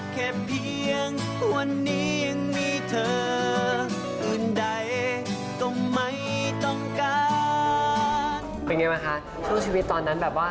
เป็นยังไงเหรอนะคะช่วงชีวิตตอนนั้นแบบว่า